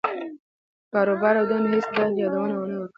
د کاروبار او دندې هېڅ يادونه يې نه وه کړې.